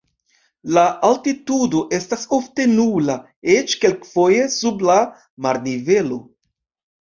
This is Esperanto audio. La altitudo estas ofte nula, eĉ kelkfoje sub la marnivelo.